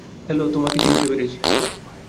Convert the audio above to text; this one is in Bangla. হ্যালো, তোমাকে চিনতে পেরেছি।